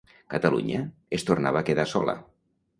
Catalunya es tornava a quedar sola.